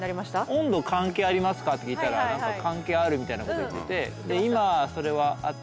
「温度関係ありますか？」って聞いたら関係あるみたいなこと言っててで「今それは温かいの？